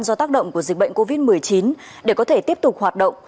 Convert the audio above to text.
do tác động của dịch bệnh covid một mươi chín để có thể tiếp tục hoạt động